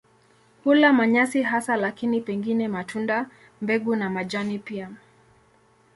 Hula manyasi hasa lakini pengine matunda, mbegu na majani pia.